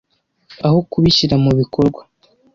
Aho kubishyira mu bikorwa.